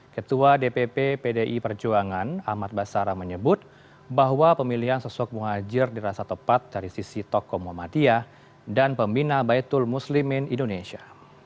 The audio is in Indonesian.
ketua dpp pdi perjuangan ahmad basara menyebut bahwa pemilihan sosok muhajir dirasa tepat dari sisi tokoh muhammadiyah dan pembina baitul muslimin indonesia